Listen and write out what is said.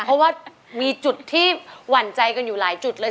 เพราะว่ามีจุดที่หวั่นใจกันอยู่หลายจุดเลย